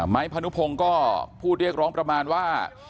พนุพงศ์ก็พูดเรียกร้องประมาณว่า